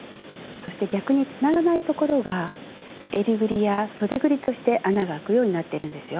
そして逆につながないところがえりぐりやそでぐりとして穴が開くようになってるんですよ。